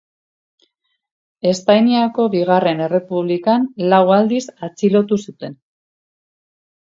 Espainiako Bigarren Errepublikan lau aldiz atxilotu zuten.